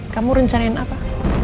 kamu rencanain apa